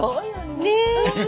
ねえ。